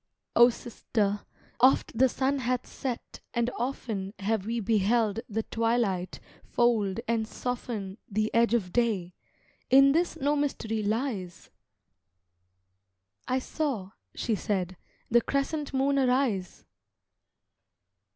"O sister, oft the sun hath set and often Have we beheld the twilight fold and soften The edge of day In this no mystery lies!" "I saw," she said, "the crescent moon arise."